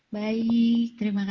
baik terima kasih